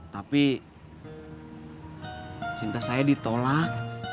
tapi cinta saya ditolak